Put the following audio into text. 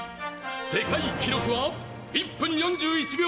「世界記録は１分４１秒０１」